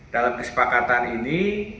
dalam kesepakatan ini